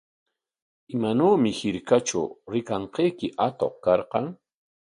¿Imanawmi hirkatraw rikanqayki atuq karqan?